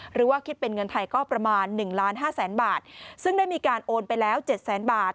หรือว่าคิดเป็นเงินไทยก็ประมาณหนึ่งล้านห้าแสนบาทซึ่งได้มีการโอนไปแล้วเจ็ดแสนบาท